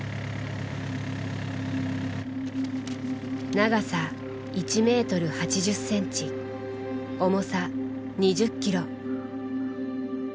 長さ１メートル８０センチ重さ２０キロ。